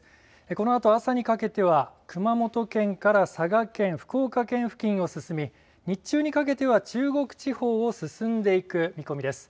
このあと、朝にかけては熊本県から佐賀県、福岡県付近を進み、日中にかけては中国地方を進んでいく見込みです。